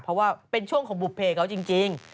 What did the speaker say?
เพราะว่าเป็นช่วงของบุภเพเขาจริง